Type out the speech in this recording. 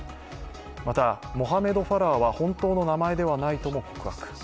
また、モハメド・ファラーは本当の名前ではないとも告白。